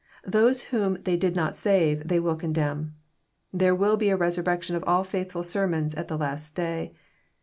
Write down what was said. Those whom they did not save they will condemn. There will be a resurrection of all faithfbl sermona at the last day.